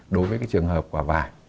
đối với cái trường hợp quả vải